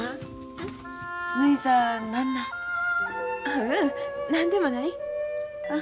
ううん何でもない。ああ。